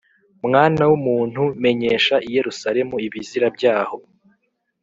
“Mwana w’umuntu, menyesha i Yerusalemu ibizira byaho